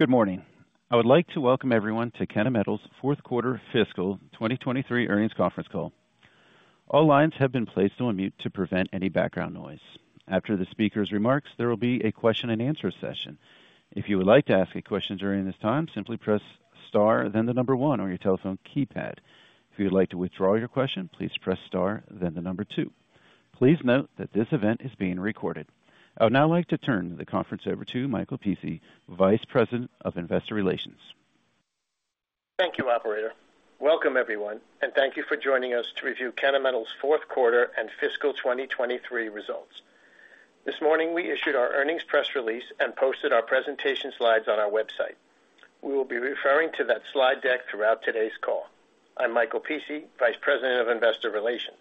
Good morning. I would like to welcome everyone to Kennametal's Q4 Fiscal 2023 Earnings Conference Call. All lines have been placed on mute to prevent any background noise. After the speaker's remarks, there will be a question-and-answer session. If you would like to ask a question during this time, simply press star, then the number one on your telephone keypad. If you would like to withdraw your question, please press star, then the number two. Please note that this event is being recorded. I would now like to turn the conference over to Michael Pici, Vice President of Investor Relations. Thank you, operator. Welcome, everyone, thank you for joining us to review Kennametal's Q4 and Fiscal 2023 results. This morning, we issued our earnings press release and posted our presentation slides on our website. We will be referring to that slide deck throughout today's call. I'm Michael Pici, Vice President of Investor Relations.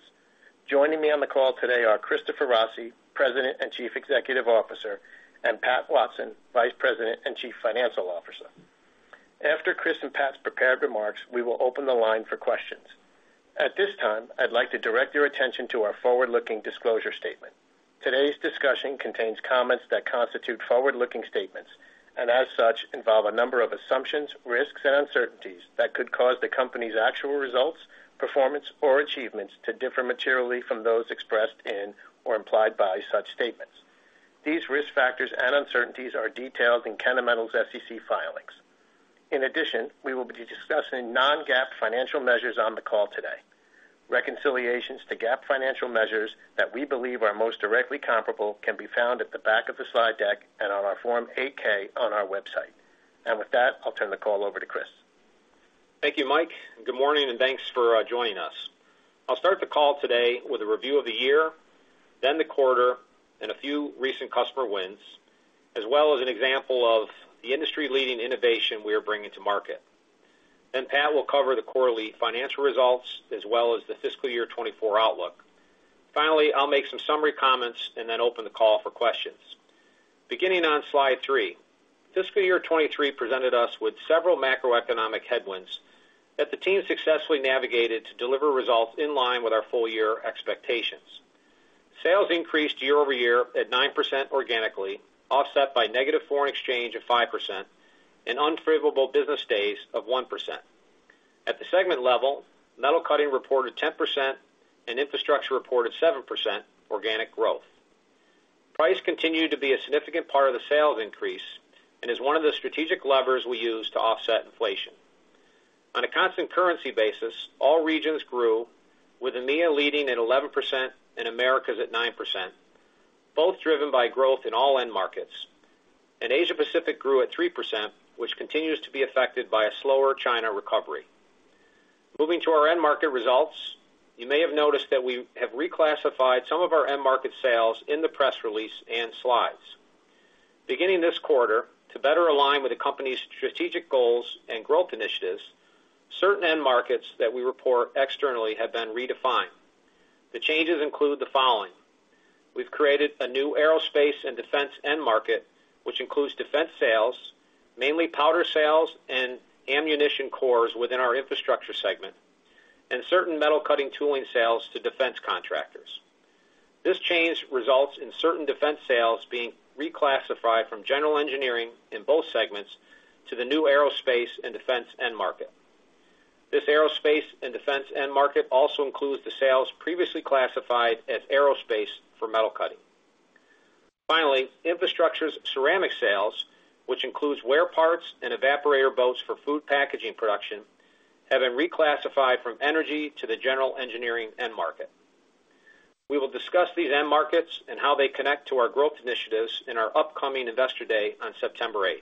Joining me on the call today are Christopher Rossi, President and Chief Executive Officer, and Pat Watson, Vice President and Chief Financial Officer. After Chris and Pat's prepared remarks, we will open the line for questions. At this time, I'd like to direct your attention to our forward-looking disclosure statement. Today's discussion contains comments that constitute forward-looking statements and, as such, involve a number of assumptions, risks and uncertainties that could cause the company's actual results, performance, or achievements to differ materially from those expressed in or implied by such statements. These risk factors and uncertainties are detailed in Kennametal's SEC filings. In addition, we will be discussing non-GAAP financial measures on the call today. Reconciliations to GAAP financial measures that we believe are most directly comparable can be found at the back of the slide deck and on our Form 8-K on our website. With that, I'll turn the call over to Chris. Thank you, Mike. Good morning, and thanks for joining us. I'll start the call today with a review of the year, then the quarter and a few recent customer wins, as well as an example of the industry-leading innovation we are bringing to market. Pat will cover the quarterly financial results as well as the fiscal year 2024 outlook. Finally, I'll make some summary comments and then open the call for questions. Beginning on slide three. Fiscal year 2023 presented us with several macroeconomic headwinds that the team successfully navigated to deliver results in line with our full year expectations. Sales increased year-over-year at 9% organically, offset by negative foreign exchange of 5% and unfavorable business days of 1%. At the segment level, metal cutting reported 10% and Infrastructure reported 7% organic growth. Price continued to be a significant part of the sales increase and is one of the strategic levers we use to offset inflation. On a constant currency basis, all regions grew, with EMEA leading at 11% and Americas at 9%, both driven by growth in all end markets. Asia Pacific grew at 3%, which continues to be affected by a slower China recovery. Moving to our end market results, you may have noticed that we have reclassified some of our end market sales in the press release and slides. Beginning this quarter, to better align with the company's strategic goals and growth initiatives, certain end markets that we report externally have been redefined. The changes include the following: We've created a new aerospace and defense end market, which includes defense sales, mainly powder sales and ammunition cores within our infrastructure segment, and certain metal cutting tooling sales to defense contractors. This change results in certain defense sales being reclassified from general engineering in both segments to the new aerospace and defense end market. This aerospace and defense end market also includes the sales previously classified as aerospace for metal cutting. Finally, Infrastructure's ceramic sales, which includes wear parts and evaporator boats for food packaging production, have been reclassified from energy to the general engineering end market. We will discuss these end markets and how they connect to our growth initiatives in our upcoming Investor Day on September 8th.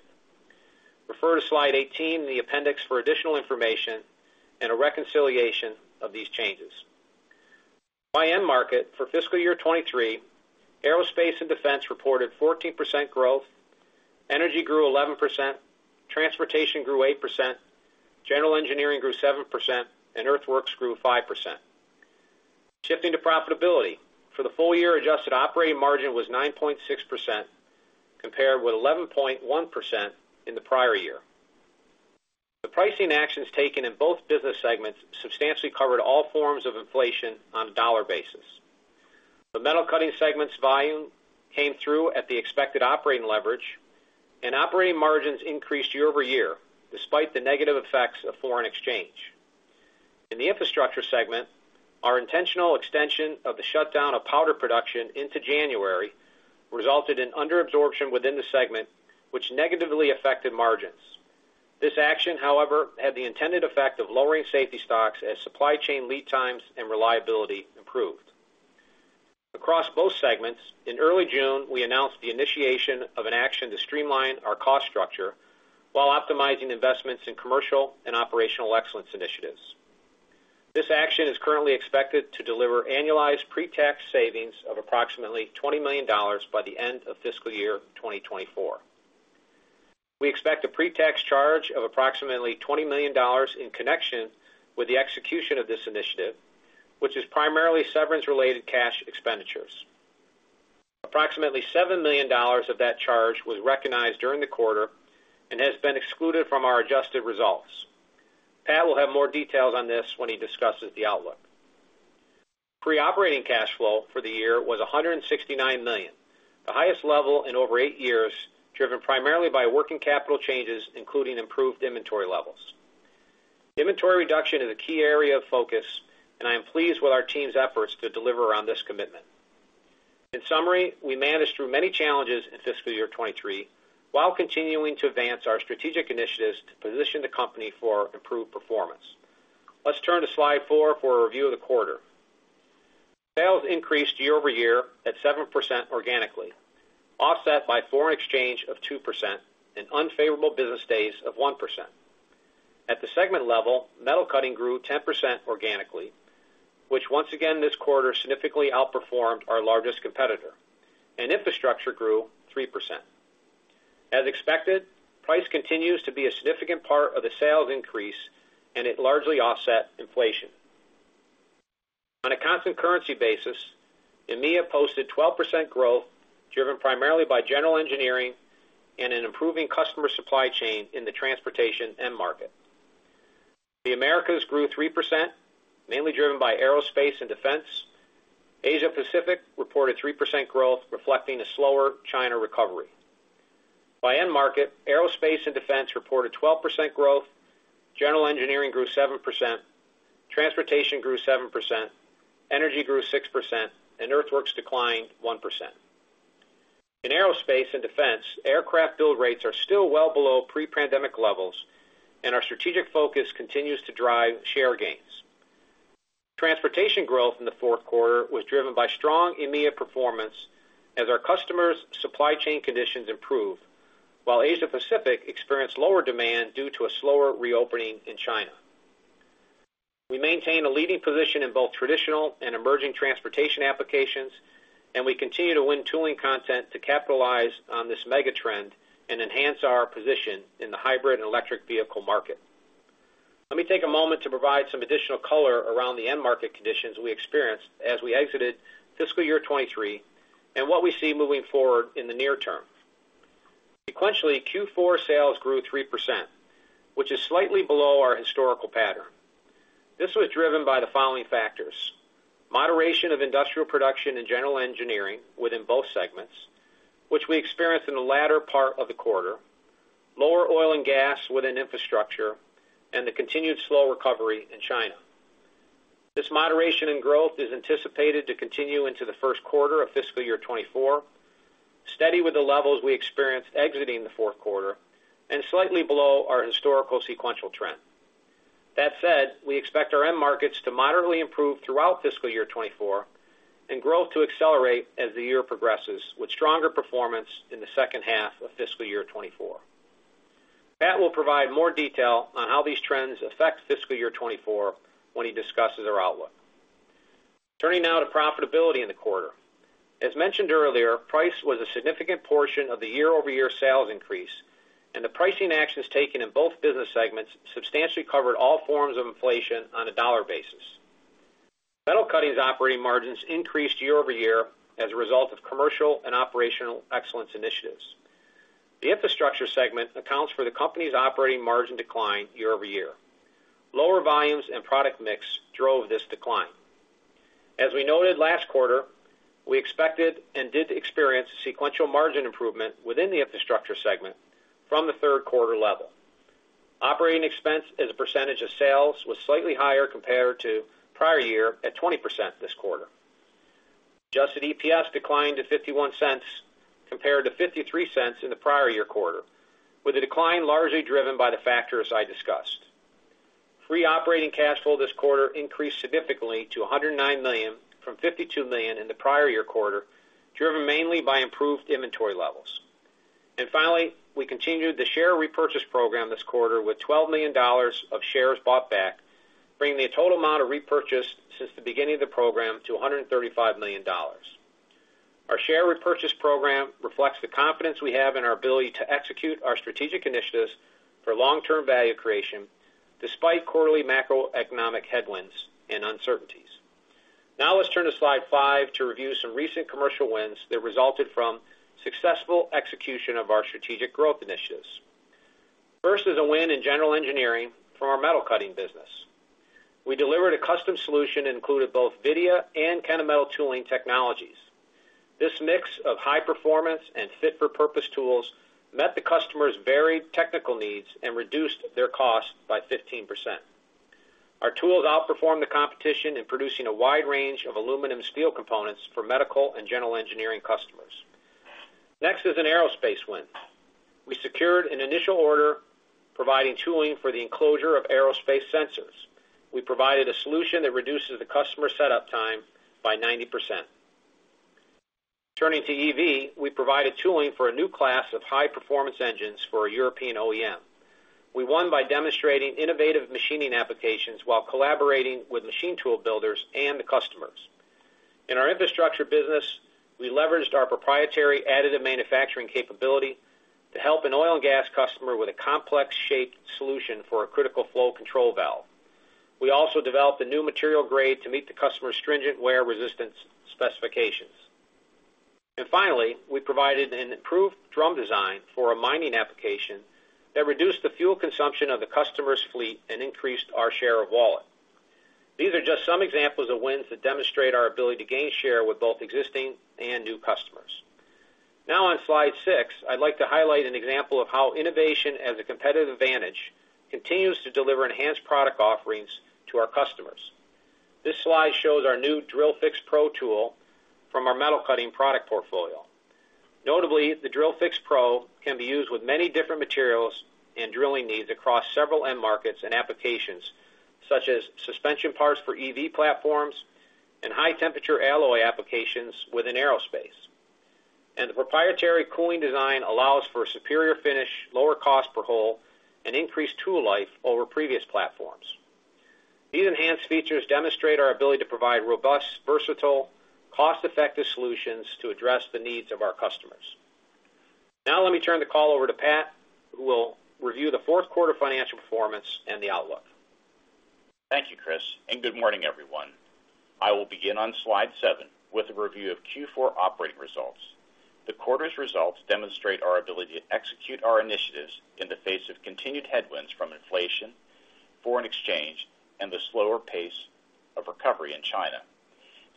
Refer to slide 18 in the appendix for additional information and a reconciliation of these changes. By end market, for fiscal year 2023, aerospace and defense reported 14% growth, energy grew 11%, transportation grew 8%, general engineering grew 7%, and earthworks grew 5%. Shifting to profitability. For the full year, adjusted operating margin was 9.6%, compared with 11.1% in the prior year. The pricing actions taken in both business segments substantially covered all forms of inflation on a dollar basis. The metal cutting segment's volume came through at the expected operating leverage, and operating margins increased year-over-year, despite the negative effects of foreign exchange. In the Infrastructure segment, our intentional extension of the shutdown of powder production into January resulted in under absorption within the segment, which negatively affected margins. This action, however, had the intended effect of lowering safety stocks as supply chain lead times and reliability improved. Across both segments, in early June, we announced the initiation of an action to streamline our cost structure while optimizing investments in commercial and operational excellence initiatives. This action is currently expected to deliver annualized pre-tax savings of approximately $20 million by the end of fiscal year 2024. We expect a pre-tax charge of approximately $20 million in connection with the execution of this initiative, which is primarily severance-related cash expenditures. Approximately $7 million of that charge was recognized during the quarter and has been excluded from our adjusted results. Pat will have more details on this when he discusses the outlook. Pre-operating cash flow for the year was $169 million, the highest level in over eight years, driven primarily by working capital changes, including improved inventory levels. Inventory reduction is a key area of focus, and I am pleased with our team's efforts to deliver on this commitment. In summary, we managed through many challenges in fiscal year 2023, while continuing to advance our strategic initiatives to position the company for improved performance. Let's turn to slide four for a review of the quarter. Sales increased year-over-year at 7% organically, offset by foreign exchange of 2% and unfavorable business days of 1%. At the segment level, metal cutting grew 10% organically, which once again, this quarter, significantly outperformed our largest competitor. Infrastructure grew 3%. As expected, price continues to be a significant part of the sales increase, and it largely offset inflation. On a constant currency basis, EMEA posted 12% growth, driven primarily by general engineering and an improving customer supply chain in the transportation end market. The Americas grew 3%, mainly driven by aerospace and defense. Asia Pacific reported 3% growth, reflecting a slower China recovery. By end market, aerospace and defense reported 12% growth, general engineering grew 7%, transportation grew 7%, energy grew 6%, and earthworks declined 1%. In aerospace and defense, aircraft build rates are still well below pre-pandemic levels, and our strategic focus continues to drive share gains. Transportation growth in the Q4 was driven by strong EMEA performance as our customers' supply chain conditions improve, while Asia Pacific experienced lower demand due to a slower reopening in China. We maintain a leading position in both traditional and emerging transportation applications, and we continue to win tooling content to capitalize on this mega trend and enhance our position in the hybrid and electric vehicle market. Let me take a moment to provide some additional color around the end market conditions we experienced as we exited fiscal year 2023, what we see moving forward in the near term. Sequentially, Q4 sales grew 3%, which is slightly below our historical pattern. This was driven by the following factors: moderation of industrial production and general engineering within both segments, which we experienced in the latter part of the quarter, lower oil and gas within Infrastructure, the continued slow recovery in China. This moderation in growth is anticipated to continue into the first quarter of fiscal year 2024, steady with the levels we experienced exiting the Q4, slightly below our historical sequential trend. That said, we expect our end markets to moderately improve throughout fiscal year 2024 and growth to accelerate as the year progresses, with stronger performance in the second half of fiscal year 2024. Pat will provide more detail on how these trends affect fiscal year 2024 when he discusses our outlook. Turning now to profitability in the quarter. As mentioned earlier, price was a significant portion of the year-over-year sales increase, the pricing actions taken in both business segments substantially covered all forms of inflation on a dollar basis. metal cutting's operating margins increased year-over-year as a result of commercial and operational excellence initiatives. The infrastructure segment accounts for the company's operating margin decline year-over-year. Lower volumes and product mix drove this decline. As we noted last quarter, we expected and did experience sequential margin improvement within the Infrastructure segment from the third quarter level. Operating expense as a percentage of sales was slightly higher compared to prior year, at 20% this quarter. Adjusted EPS declined to $0.51, compared to $0.53 in the prior year quarter, with the decline largely driven by the factors I discussed. Free operating cash flow this quarter increased significantly to $109 million from $52 million in the prior year quarter, driven mainly by improved inventory levels. Finally, we continued the share repurchase program this quarter with $12 million of shares bought back, bringing the total amount of repurchase since the beginning of the program to $135 million. Our share repurchase program reflects the confidence we have in our ability to execute our strategic initiatives for long-term value creation, despite quarterly macroeconomic headwinds and uncertainties. Now, let's turn to slide five to review some recent commercial wins that resulted from successful execution of our strategic growth initiatives. First is a win in general engineering from our metal cutting business. We delivered a custom solution that included both WIDIA and Kennametal tooling technologies. This mix of high performance and fit-for-purpose tools met the customer's varied technical needs and reduced their cost by 15%. Our tools outperformed the competition in producing a wide range of aluminum steel components for medical and general engineering customers. Next is an aerospace win. We secured an initial order providing tooling for the enclosure of aerospace sensors. We provided a solution that reduces the customer setup time by 90%. Turning to EV, we provided tooling for a new class of high-performance engines for a European OEM. We won by demonstrating innovative machining applications while collaborating with machine tool builders and the customers. In our infrastructure business, we leveraged our proprietary additive manufacturing capability to help an oil and gas customer with a complex shape solution for a critical flow control valve. We also developed a new material grade to meet the customer's stringent wear resistance specifications. Finally, we provided an improved drum design for a mining application that reduced the fuel consumption of the customer's fleet and increased our share of wallet. These are just some examples of wins that demonstrate our ability to gain share with both existing and new customers. Now, on slide six, I'd like to highlight an example of how innovation as a competitive advantage continues to deliver enhanced product offerings to our customers. This slide shows our new Drill Fix PRO tool from our metal cutting product portfolio. Notably, the Drill Fix PRO can be used with many different materials and drilling needs across several end markets and applications, such as suspension parts for EV platforms and high-temperature alloy applications within aerospace. The proprietary cooling design allows for a superior finish, lower cost per hole, and increased tool life over previous platforms. These enhanced features demonstrate our ability to provide robust, versatile, cost-effective solutions to address the needs of our customers. Now let me turn the call over to Pat, who will review the Q4 financial performance and the outlook. Thank you, Chris. Good morning, everyone. I will begin on slide seven with a review of Q4 operating results. The quarter's results demonstrate our ability to execute our initiatives in the face of continued headwinds from inflation, foreign exchange, and the slower pace of recovery in China.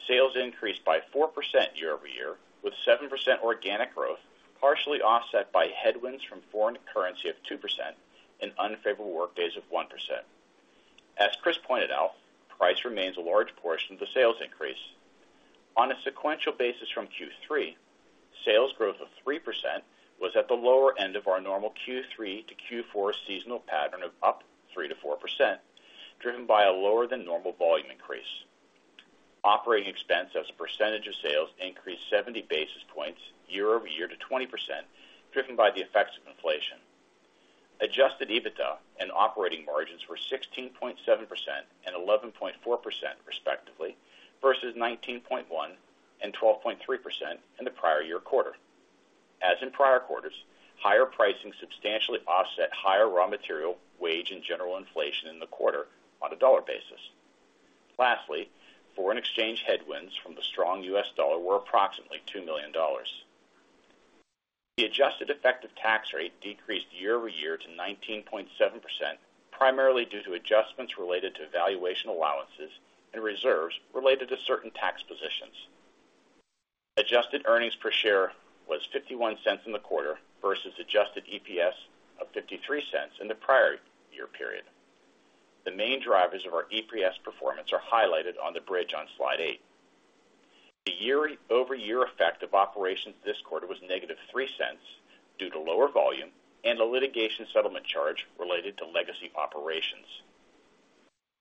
Sales increased by 4% year-over-year, with 7% organic growth, partially offset by headwinds from foreign currency of 2% and unfavorable workdays of 1%. As Chris pointed out, price remains a large portion of the sales increase. On a sequential basis from Q3, sales growth of 3% was at the lower end of our normal Q3 to Q4 seasonal pattern of up 3%-4%, driven by a lower than normal volume increase. Operating expense as a percentage of sales increased 70 basis points year-over-year to 20%, driven by the effects of inflation. Adjusted EBITDA and operating margins were 16.7% and 11.4%, respectively, versus 19.1% and 12.3% in the prior year quarter. As in prior quarters, higher pricing substantially offset higher raw material, wage, and general inflation in the quarter on a dollar basis. Lastly, foreign exchange headwinds from the strong US dollar were approximately $2 million. The adjusted effective tax rate decreased year-over-year to 19.7%, primarily due to adjustments related to valuation allowances and reserves related to certain tax positions. Adjusted earnings per share was $0.51 in the quarter versus adjusted EPS of $0.53 in the prior year period. The main drivers of our EPS performance are highlighted on the bridge on slide eight. The year-over-year effect of operations this quarter was negative $0.03 due to lower volume and a litigation settlement charge related to legacy operations.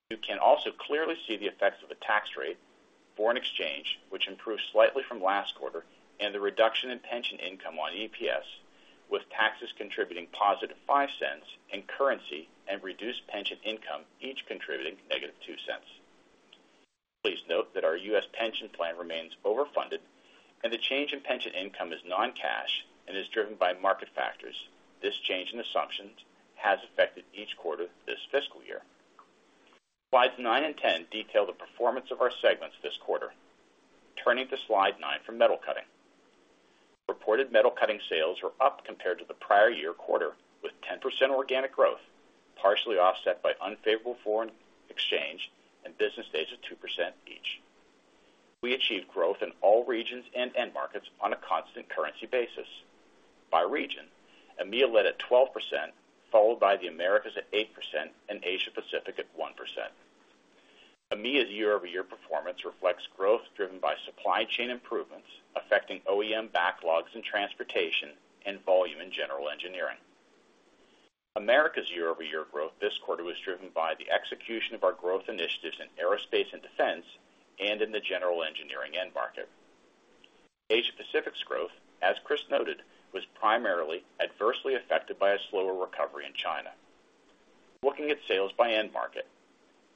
You can also clearly see the effects of the tax rate, foreign exchange, which improved slightly from last quarter, and the reduction in pension income on EPS, with taxes contributing positive $0.05 and currency and reduced pension income, each contributing negative $0.02. Please note that our US pension plan remains overfunded. The change in pension income is non-cash and is driven by market factors. This change in assumptions has affected each quarter this fiscal year. Slides nine and 10 detail the performance of our segments this quarter. Turning to slide nine for metal cutting. Reported metal cutting sales were up compared to the prior year quarter, with 10% organic growth, partially offset by unfavorable foreign exchange and business days of 2% each. We achieved growth in all regions and end markets on a constant currency basis. By region, EMEA led at 12%, followed by the Americas at 8% and Asia-Pacific at 1%. EMEA's year-over-year performance reflects growth driven by supply chain improvements, affecting OEM backlogs in transportation and volume in general engineering. Americas year-over-year growth this quarter was driven by the execution of our growth initiatives in aerospace and defense and in the general engineering end market. Asia-Pacific's growth, as Chris noted, was primarily adversely affected by a slower recovery in China. Looking at sales by end market,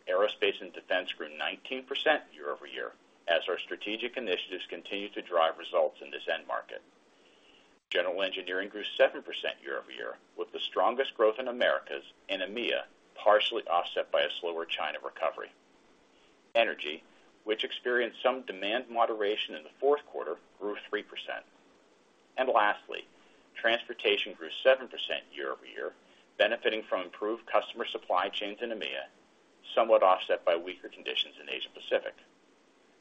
aerospace and defense grew 19% year-over-year, as our strategic initiatives continue to drive results in this end market. General engineering grew 7% year-over-year, with the strongest growth in Americas and EMEA, partially offset by a slower China recovery. Energy, which experienced some demand moderation in the Q4, grew 3%. Lastly, transportation grew 7% year-over-year, benefiting from improved customer supply chains in EMEA, somewhat offset by weaker conditions in Asia-Pacific.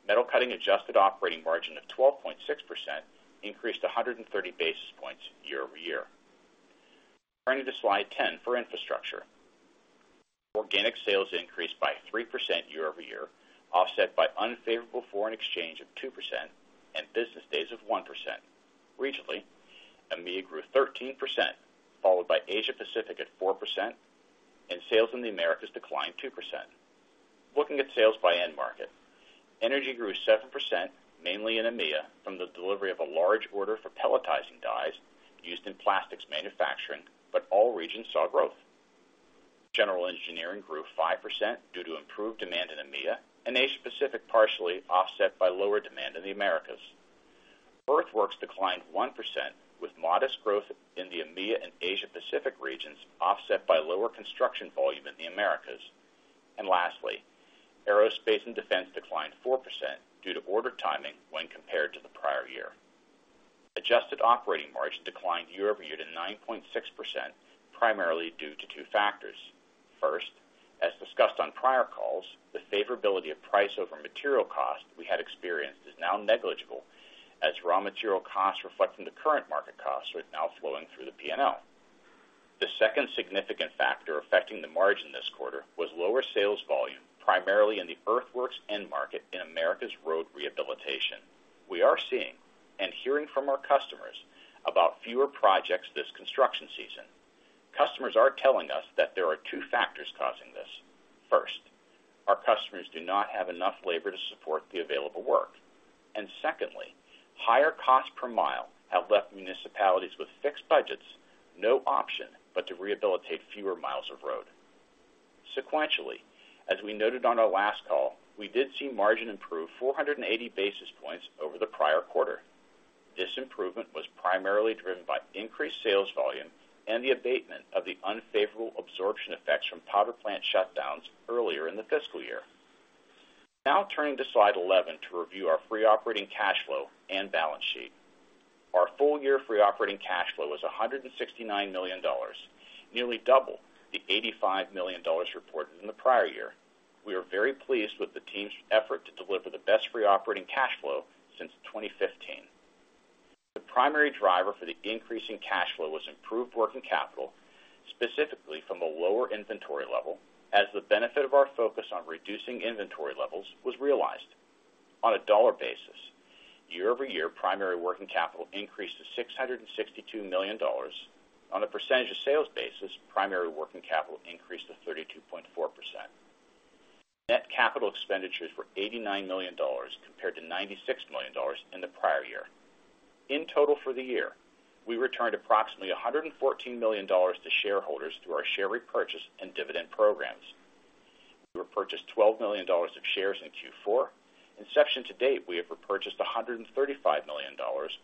Metal cutting adjusted operating margin of 12.6% increased 130 basis points year-over-year. Turning to slide 10 for Infrastructure. Organic sales increased by 3% year-over-year, offset by unfavorable foreign exchange of 2% and business days of 1%. Regionally, EMEA grew 13%, followed by Asia-Pacific at 4%, and sales in the Americas declined 2%. Looking at sales by end market, energy grew 7%, mainly in EMEA, from the delivery of a large order for pelletizing dies used in plastics manufacturing. All regions saw growth. General engineering grew 5% due to improved demand in EMEA and Asia-Pacific, partially offset by lower demand in the Americas. Earthworks declined 1%, with modest growth in the EMEA and Asia-Pacific regions, offset by lower construction volume in the Americas. Lastly, Aerospace and Defense declined 4% due to order timing when compared to the prior year. Adjusted operating margin declined year-over-year to 9.6%, primarily due to two factors. First, as discussed on prior calls, the favorability of price over material cost we had experienced is now negligible, as raw material costs reflecting the current market costs are now flowing through the P&L. The second significant factor affecting the margin this quarter was lower sales volume, primarily in the earthworks end market in Americas road rehabilitation. We are seeing and hearing from our customers about fewer projects this construction season. Customers are telling us that there are two factors causing this. First, our customers do not have enough labor to support the available work. Secondly, higher costs per mile have left municipalities with fixed budgets no option but to rehabilitate fewer miles of road. Sequentially, as we noted on our last call, we did see margin improve 480 basis points over the prior quarter. This improvement was primarily driven by increased sales volume and the abatement of the unfavorable absorption effects from powder plant shutdowns earlier in the fiscal year. Now turning to slide 11 to review our free operating cash flow and balance sheet. Our full year free operating cash flow was $169 million, nearly double the $85 million reported in the prior year. We are very pleased with the team's effort to deliver the best free operating cash flow since 2015. The primary driver for the increase in cash flow was improved working capital, specifically from a lower inventory level, as the benefit of our focus on reducing inventory levels was realized. On a dollar basis, year-over-year primary working capital increased to $662 million. On a percentage of sales basis, primary working capital increased to 32.4%. Net capital expenditures were $89 million, compared to $96 million in the prior year. In total for the year, we returned approximately $114 million to shareholders through our share repurchase and dividend programs. We repurchased $12 million of shares in Q4. In section to date, we have repurchased $135 million,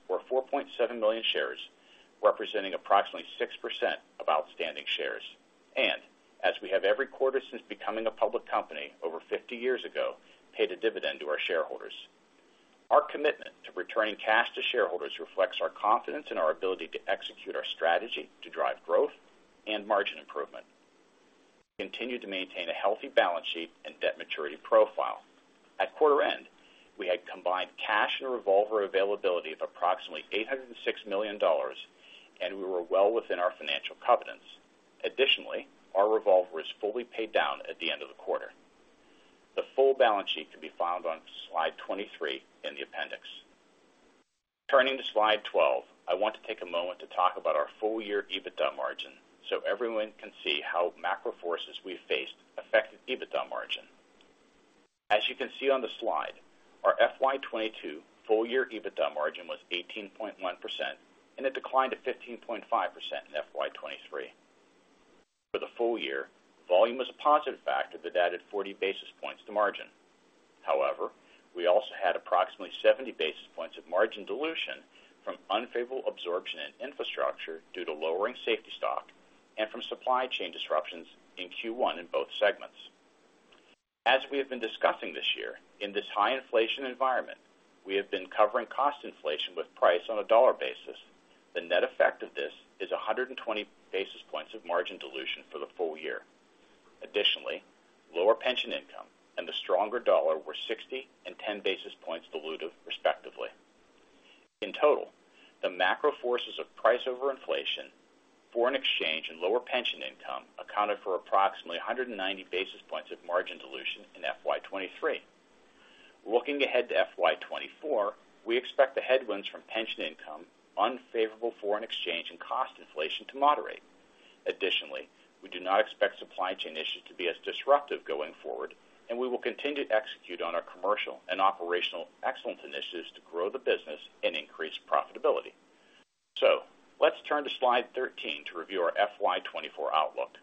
or 4.7 million shares, representing approximately 6% of outstanding shares. As we have every quarter since becoming a public company over 50 years ago, paid a dividend to our shareholders. Our commitment to returning cash to shareholders reflects our confidence in our ability to execute our strategy to drive growth and margin improvement. We continue to maintain a healthy balance sheet and debt maturity profile. At quarter end, we had combined cash and revolver availability of approximately $806 million, and we were well within our financial covenants. Additionally, our revolver is fully paid down at the end of the quarter. The full balance sheet can be found on slide 23 in the appendix. Turning to slide 12, I want to take a moment to talk about our full year EBITDA margin, so everyone can see how macro forces we faced affected EBITDA margin. As you can see on the slide, our FY 2022 full year EBITDA margin was 18.1%, and it declined to 15.5% in FY 2023. For the full year, volume was a positive factor that added 40 basis points to margin. However, we also had approximately 70 basis points of margin dilution from unfavorable absorption and Infrastructure due to lowering safety stock and from supply chain disruptions in Q1 in both segments. As we have been discussing this year, in this high inflation environment, we have been covering cost inflation with price on a dollar basis. The net effect of this is 120 basis points of margin dilution for the full year. Additionally, lower pension income and the stronger dollar were 60 and 10 basis points dilutive, respectively. In total, the macro forces of price over inflation, foreign exchange and lower pension income accounted for approximately 190 basis points of margin dilution in FY 2023. Looking ahead to FY 2024, we expect the headwinds from pension income, unfavorable foreign exchange, and cost inflation to moderate. Additionally, we do not expect supply chain issues to be as disruptive going forward, and we will continue to execute on our commercial and operational excellence initiatives to grow the business and increase profitability. Let's turn to slide 13 to review our FY 2024 outlook.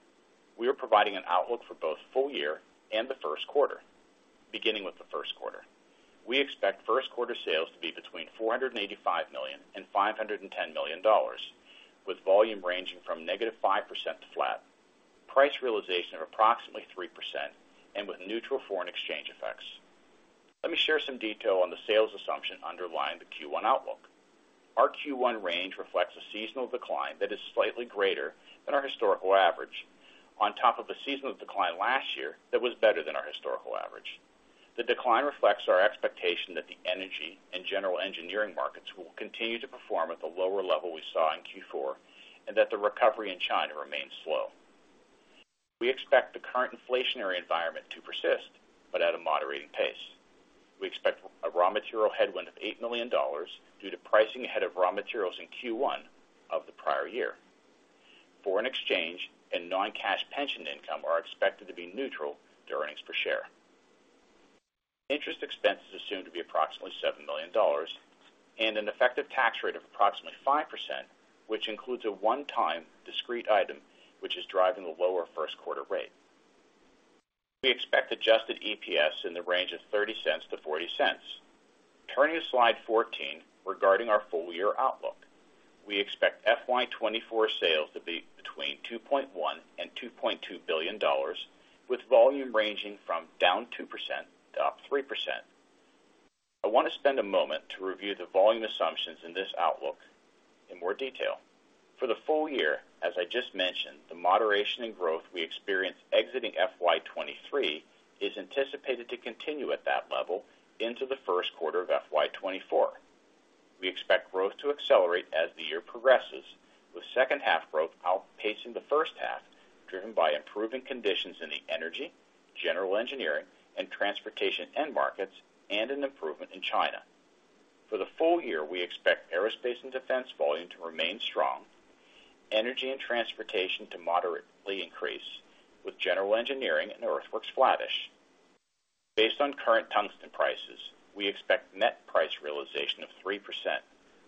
We are providing an outlook for both full year and the Q1. Beginning with the Q1, we expect Q1 sales to be between $485 million and $510 million, with volume ranging from -5% to flat, price realization of approximately 3%, with neutral foreign exchange effects. Let me share some detail on the sales assumption underlying the Q1 outlook. Our Q1 range reflects a seasonal decline that is slightly greater than our historical average, on top of a seasonal decline last year that was better than our historical average. The decline reflects our expectation that the energy and general engineering markets will continue to perform at the lower level we saw in Q4, that the recovery in China remains slow. We expect the current inflationary environment to persist, at a moderating pace. We expect a raw material headwind of $8 million due to pricing ahead of raw materials in Q1 of the prior year. Foreign exchange and non-cash pension income are expected to be neutral to earnings per share. Interest expenses are assumed to be approximately $7 million and an effective tax rate of approximately 5%, which includes a one-time discrete item, which is driving the lower first quarter rate. We expect adjusted EPS in the range of $0.30-$0.40. Turning to Slide 14, regarding our full year outlook. We expect FY 2024 sales to be between $2.1 billion and $2.2 billion, with volume ranging from down 2% to up 3%. I want to spend a moment to review the volume assumptions in this outlook in more detail. For the full year, as I just mentioned, the moderation in growth we experienced exiting FY 2023 is anticipated to continue at that level into the Q1 of FY 2024. We expect growth to accelerate as the year progresses, with second half growth outpacing the first half, driven by improving conditions in the energy, general engineering, and transportation end markets, and an improvement in China. For the full year, we expect aerospace and defense volume to remain strong, energy and transportation to moderately increase, with general engineering and earthworks flattish. Based on current tungsten prices, we expect net price realization of 3%,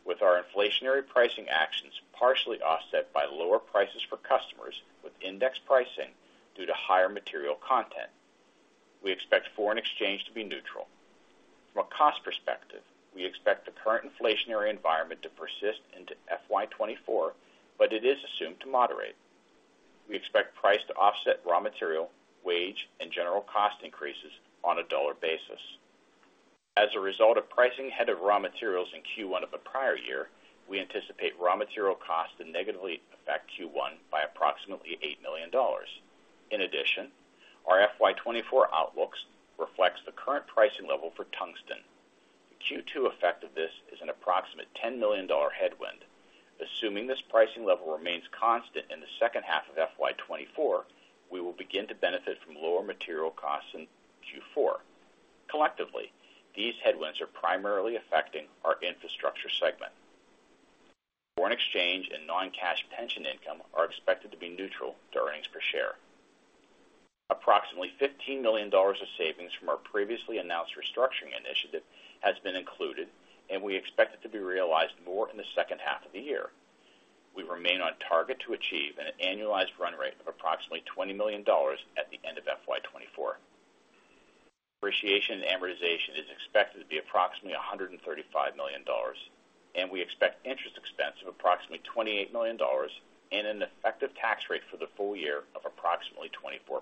with our inflationary pricing actions partially offset by lower prices for customers, with index pricing due to higher material content. We expect foreign exchange to be neutral. From a cost perspective, we expect the current inflationary environment to persist into FY 2024, but it is assumed to moderate. We expect price to offset raw material, wage, and general cost increases on a dollar basis. As a result of pricing ahead of raw materials in Q1 of the prior year, we anticipate raw material costs to negatively affect Q1 by approximately $8 million. In addition, our FY 2024 outlooks reflects the current pricing level for tungsten. The Q2 effect of this is an approximate $10 million headwind. Assuming this pricing level remains constant in the second half of FY 2024, we will begin to benefit from lower material costs in Q4. Collectively, these headwinds are primarily affecting our Infrastructure segment. Foreign exchange and non-cash pension income are expected to be neutral to earnings per share. Approximately $15 million of savings from our previously announced restructuring initiative has been included, and we expect it to be realized more in the second half of the year. We remain on target to achieve an annualized run rate of approximately $20 million at the end of FY 2024. Depreciation and amortization is expected to be approximately $135 million, and we expect interest expense of approximately $28 million and an effective tax rate for the full year of approximately 24%.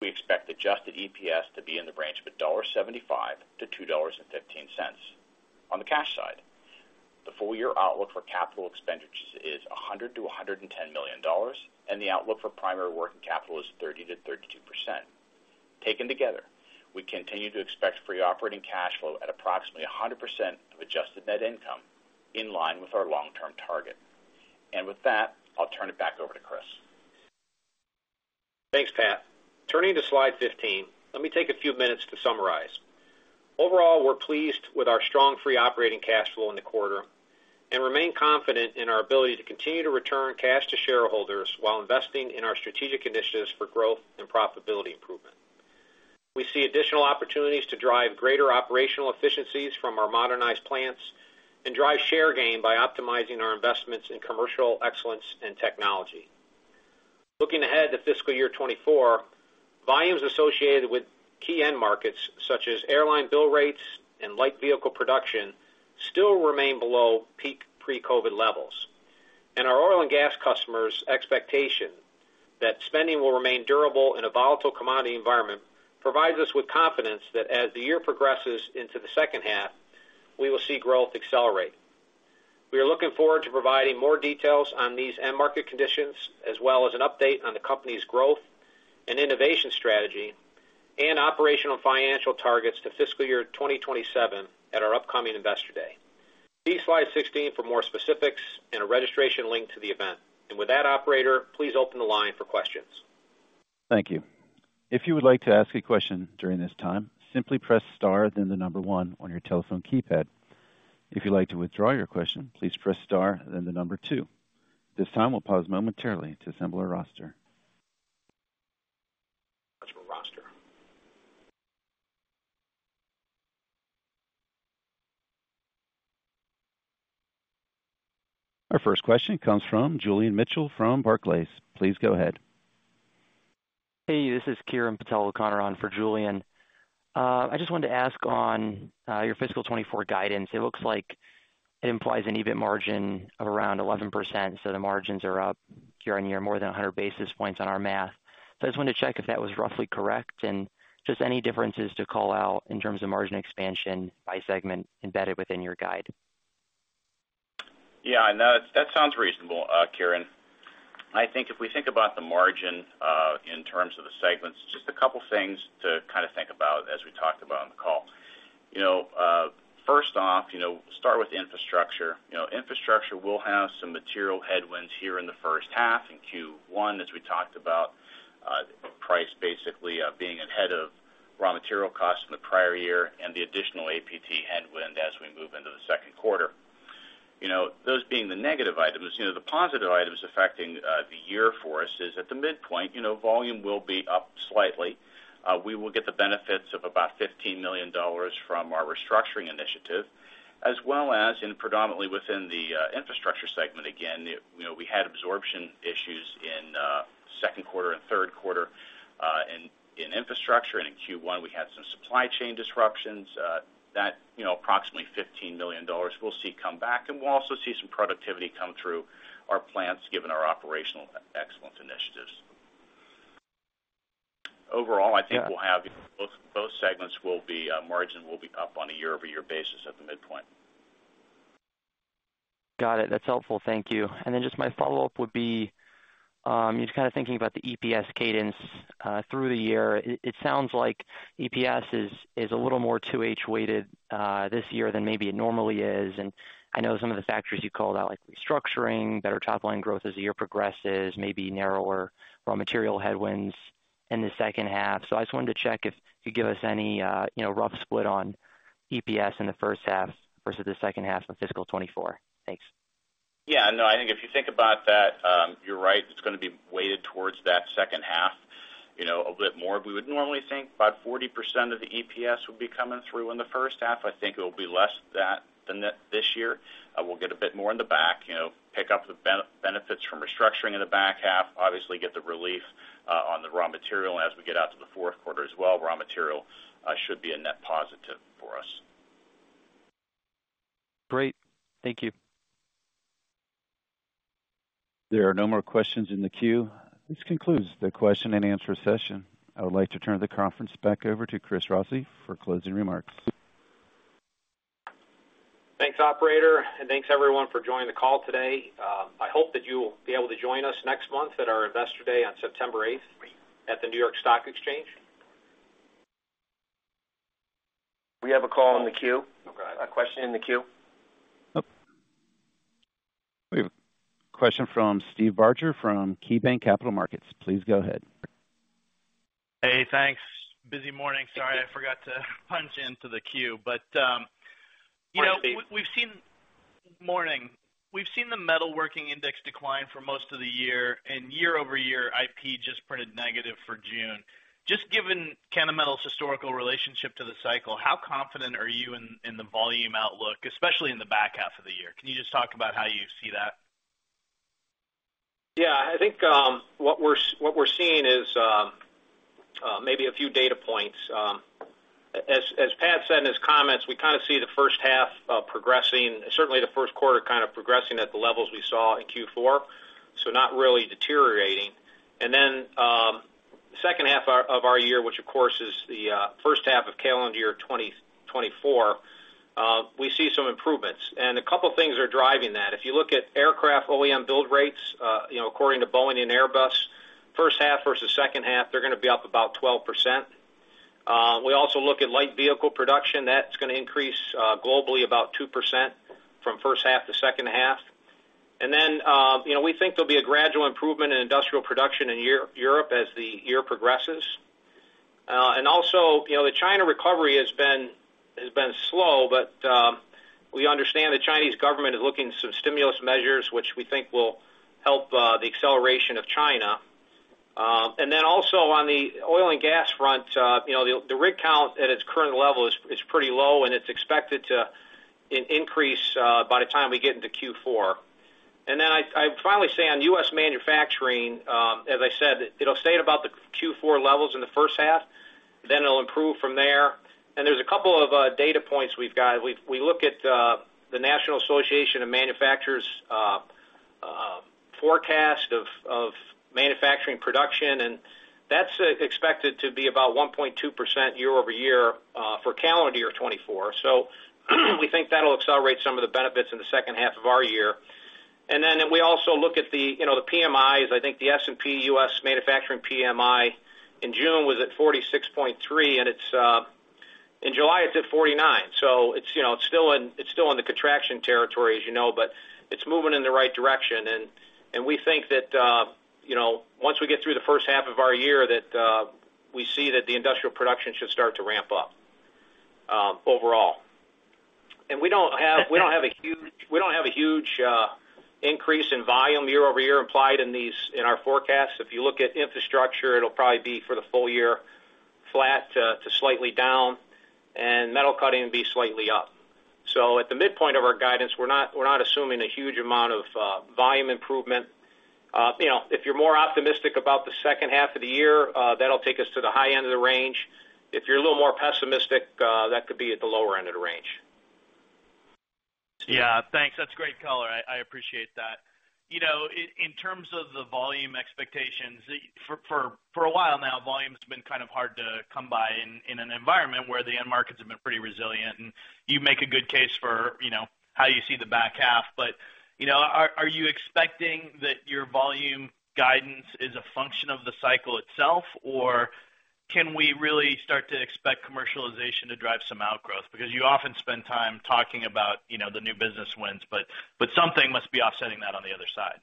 We expect Adjusted EPS to be in the range of $1.75-$2.15. On the cash side, the full year outlook for capital expenditures is $100 million-$110 million, and the outlook for primary working capital is 30%-32%. Taken together, we continue to expect free operating cash flow at approximately 100% of adjusted net income, in line with our long-term target. With that, I'll turn it back over to Chris. Thanks, Pat. Turning to slide 15, let me take a few minutes to summarize. Overall, we're pleased with our strong free operating cash flow in the quarter, and remain confident in our ability to continue to return cash to shareholders while investing in our strategic initiatives for growth and profitability improvement. We see additional opportunities to drive greater operational efficiencies from our modernized plants and drive share gain by optimizing our investments in commercial excellence and technology. Looking ahead to fiscal year 2024, volumes associated with key end markets, such as airline bill rates and light vehicle production, still remain below peak pre-COVID levels. Our oil and gas customers' expectation that spending will remain durable in a volatile commodity environment provides us with confidence that as the year progresses into the second half, we will see growth accelerate. We are looking forward to providing more details on these end market conditions, as well as an update on the company's growth and innovation strategy and operational financial targets to fiscal year 2027 at our upcoming Investor Day. See slide 16 for more specifics and a registration link to the event. With that, operator, please open the line for questions. Thank you. If you would like to ask a question during this time, simply press star, then one on your telephone keypad. If you'd like to withdraw your question, please press star, then two. This time we'll pause momentarily to assemble a roster. Our first question comes from Julian Mitchell from Barclays. Please go ahead. Hey, this is Kiran Patel-O'Connor on for Julian. I just wanted to ask on your fiscal 2024 guidance, it looks like it implies an EBIT margin of around 11%, so the margins are up year-on-year, more than 100 basis points on our math. I just wanted to check if that was roughly correct, and just any differences to call out in terms of margin expansion by segment embedded within your guide? Yeah, no, that sounds reasonable, Kiran. I think if we think about the margin in terms of the segments, just a couple things to kind of think about as we talked about on the call. First off, start with Infrastructure. Infrastructure will have some material headwinds here in the first half, in Q1, as we talked about, price basically being ahead of raw material costs from the prior year and the additional APT headwind as we move into the second quarter. Those being the negative items, the positive items affecting the year for us is at the midpoint, volume will be up slightly. We will get the benefits of about $15 million from our restructuring initiative as well as in predominantly within the Infrastructure segment. Again, you know, we had absorption issues in second quarter and Q3in Infrastructure, and in Q1, we had some supply chain disruptions that, you know, approximately $15 million we'll see come back, and we'll also see some productivity come through our plants, given our operational excellence initiatives. Overall, I think we'll have both, both segments will be margin will be up on a year-over-year basis at the midpoint. Got it. That's helpful. Thank you. Just my follow-up would be, just kind of thinking about the EPS cadence through the year. It, it sounds like EPS is, is a little more 2H weighted this year than maybe it normally is. I know some of the factors you called out, like restructuring, better top line growth as the year progresses, maybe narrower raw material headwinds in the second half. I just wanted to check if you give us any, you know, rough split on EPS in the first half versus the second half of fiscal 2024. Thanks. Yeah, no, I think if you think about that, you're right, it's gonna be weighted towards that second half, you know, a bit more. We would normally think about 40% of the EPS will be coming through in the first half. I think it'll be less that than that this year. We'll get a bit more in the back, you know, pick up the benefits from restructuring in the back half, obviously get the relief on the raw material. As we get out to the Q4 as well, raw material should be a net positive for us. Great. Thank you. There are no more questions in the queue. This concludes the question and answer session. I would like to turn the conference back over to Chris Rossi for closing remarks. Thanks, operator, and thanks everyone for joining the call today. I hope that you will be able to join us next month at our Investor Day on September 8th, at the New York Stock Exchange. We have a call in the queue. Okay. A question in the queue. Oh, we have a question from Steve Barger from KeyBanc Capital Markets. Please go ahead. Hey, thanks. Busy morning. Sorry, I forgot to punch into the queue, but, you know, we've seen- Morning. Morning. We've seen the metalworking index decline for most of the year. Year-over-year, IP just printed negative for June. Just given Kennametal's historical relationship to the cycle, how confident are you in the volume outlook, especially in the back half of the year? Can you just talk about how you see that? Yeah, I think, what we're, what we're seeing is, maybe a few data points. As, as Pat said in his comments, we kind of see the first half progressing, certainly the Q1 kind of progressing at the levels we saw in Q4, so not really deteriorating. Second half of our year, which, of course, is the first half of calendar year 2024, we see some improvements, and a couple things are driving that. If you look at aircraft OEM build rates, you know, according to Boeing and Airbus, first half versus second half, they're gonna be up about 12%. We also look at light vehicle production. That's gonna increase globally about 2% from first half to second half. You know, we think there'll be a gradual improvement in industrial production in Europe as the year progresses. You know, the China recovery has been, has been slow, but we understand the Chinese government is looking at some stimulus measures, which we think will help the acceleration of China. On the oil and gas front, you know, the rig count at its current level is pretty low, and it's expected to increase by the time we get into Q4. I'd finally say, on US manufacturing, as I said, it'll stay at about the Q4 levels in the first half, then it'll improve from there. There's a couple of data points we've got. We look at the National Association of Manufacturers' forecast of manufacturing production, and that's expected to be about 1.2% year-over-year for calendar year 2024. We think that'll accelerate some of the benefits in the second half of our year. We also look at the, you know, the PMIs. I think the S&P US Manufacturing PMI in June was at 46.3, and in July, it's at 49. It's, you know, it's still in, it's still in the contraction territory, as you know, but it's moving in the right direction. We think that, you know, once we get through the first half of our year, that we see that the industrial production should start to ramp up overall. We don't have, we don't have a huge, we don't have a huge increase in volume year-over-year implied in these, in our forecasts. If you look at Infrastructure, it'll probably be for the full year, flat to, to slightly down, and metal cutting will be slightly up. At the midpoint of our guidance, we're not, we're not assuming a huge amount of volume improvement. You know, if you're more optimistic about the second half of the year, that'll take us to the high end of the range. If you're a little more pessimistic, that could be at the lower end of the range. Yeah, thanks. That's great color. I, I appreciate that. You know, in terms of the volume expectations, for, for, for a while now, volume has been kind of hard to come by in, in an environment where the end markets have been pretty resilient, and you make a good case for, you know, how you see the back half. You know, are, are you expecting that your volume guidance is a function of the cycle itself, or can we really start to expect commercialization to drive some outgrowth? Because you often spend time talking about, you know, the new business wins, but, but something must be offsetting that on the other side.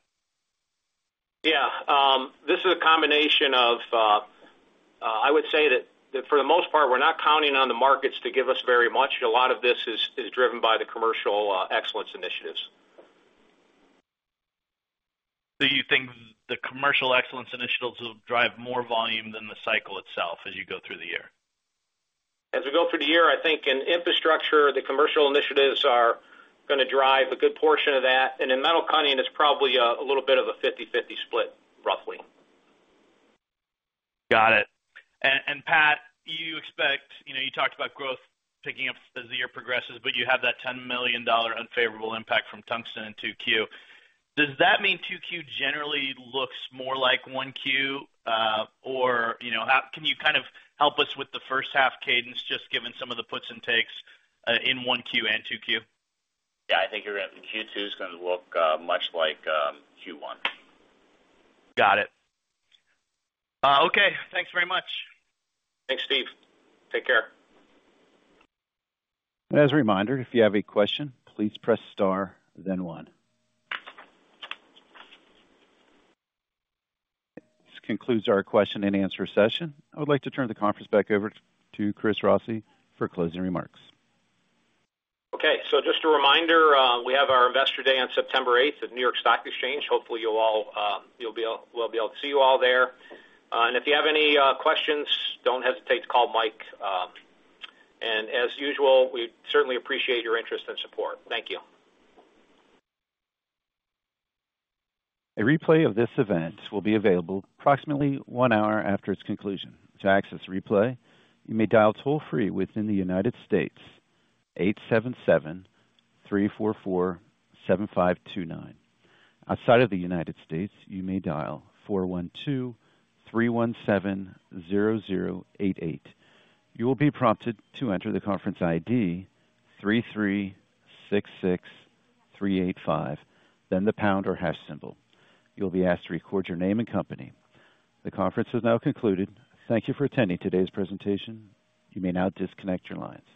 Yeah, this is a combination of I would say that, that for the most part, we're not counting on the markets to give us very much. A lot of this is, is driven by the commercial excellence initiatives. So you think the commercial excellence initiatives will drive more volume than the cycle itself as you go through the year? As we go through the year, I think in infrastructure, the commercial initiatives are going to drive a good portion of that. In metal cutting, it's probably a little bit of a 50/50 split, roughly. Got it. Pat, you expect, you know, you talked about growth picking up as the year progresses, but you have that $10 million unfavorable impact from tungsten in Q2. Does that mean Q2 generally looks more like Q, or, you know, can you kind of help us with the first half cadence, just given some of the puts and takes, in Q1 and Q2? Yeah, I think you're right. Q2 is going to look, much like, Q1. Got it. Okay. Thanks very much. Thanks, Steve. Take care. As a reminder, if you have a question, please press star, then one. This concludes our question and answer session. I would like to turn the conference back over to Chris Rossi for closing remarks. Just a reminder, we have our Investor Day on September 8th at New York Stock Exchange. Hopefully, we'll be able to see you all there. If you have any questions, don't hesitate to call Mike. As usual, we certainly appreciate your interest and support. Thank you. A replay of this event will be available approximately 1 hour after its conclusion. To access the replay, you may dial toll-free within the United States, 877-344-7529. Outside of the United States, you may dial 412-317-0088. You will be prompted to enter the conference ID 3366385, then the pound or hash symbol. You'll be asked to record your name and company. The conference has now concluded. Thank you for attending today's presentation. You may now disconnect your lines.